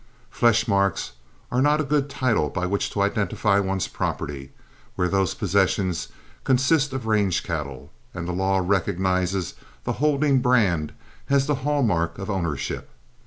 Flesh marks are not a good title by which to identify one's property, where those possessions consist of range cattle, and the law recognized the holding brand as the hall mark of ownership.